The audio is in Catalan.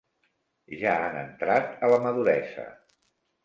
Ja han entrat a la maduresa.